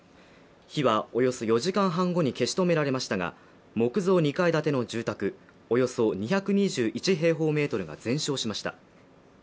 火はおよそ４時間半後に消し止められましたが木造２階建ての住宅およそ２２１平方メートルが全焼しました。